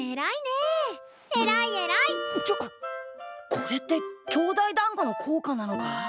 これって兄弟だんごの効果なのか？